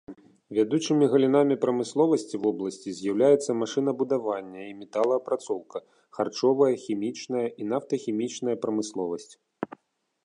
Вядучымі галінамі прамысловасці вобласці з'яўляюцца машынабудаванне і металаапрацоўка, харчовая, хімічная і нафтахімічная прамысловасць.